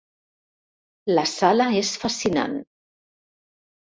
La sala és fascinant.